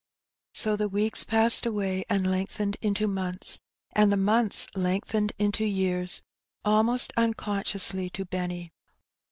So the weeks passed away, and lengthened into months, and the months lengthened into years, almost unconsciously to Benny.